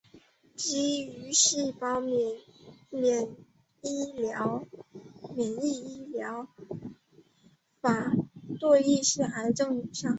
基于细胞的免疫疗法对一些癌症有效。